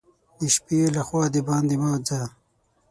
د شپې له خوا دباندي مه ځه !